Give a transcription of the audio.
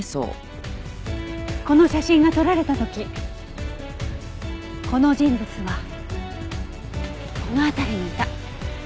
この写真が撮られた時この人物はこの辺りにいた。